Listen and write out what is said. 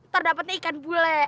terdapatnya ikan bule